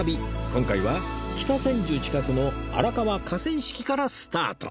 今回は北千住近くの荒川河川敷からスタート